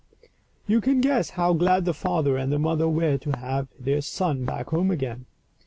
You can guess how glad the father and the mother were to have their son back home again.